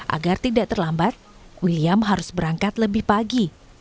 agar tidak terlambat william harus berangkat lebih pagi